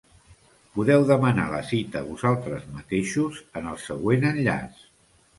Podeu demanar la cita vosaltres mateixos en el següent enllaç.